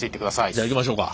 じゃあ行きましょうか。